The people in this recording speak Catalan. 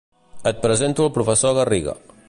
Et presento el professor Garriga.